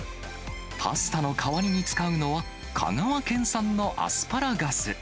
パスタの代わりに使うのは、香川県産のアスパラガス。